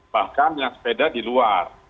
bahkan yang sepeda di luar